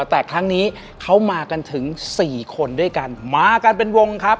แต่ครั้งนี้เขามากันถึงสี่คนด้วยกันมากันเป็นวงครับ